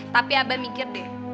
tapi abah mikir deh